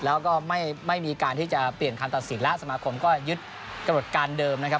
แล้วก็ไม่มีการที่จะเปลี่ยนคำตัดสินแล้วสมาคมก็ยึดกระหนดการเดิมนะครับ